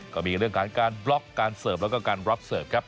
ก็มีเรื่องของการบล็อกการเสิร์ฟแล้วก็การรับเสิร์ฟครับ